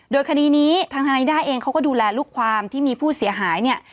โดยคดีนี้ทางทนายนิด้าเองเขาก็ดูแลลูกความที่มีผู้เสียหายเนี่ย